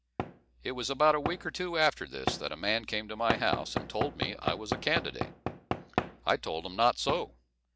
It was about a week or two after this, that a man came to my house, and told me I was a candidate. I told him not so.